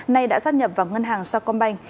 nay đã xác nhập vào ngân hàng sacombank